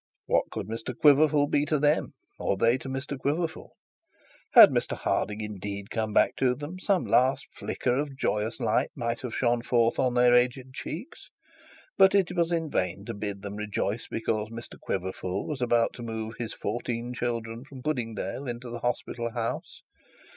What could Mr Quiverful be to them, or they to Mr Quiverful? Had Mr Harding indeed come back to them, some last flicker of joyous light might have shone forth on their aged cheeks; but it was in vain to bid them rejoice because Mr Quiverful was about to move his fourteen children from Puddingdale into the hospital house.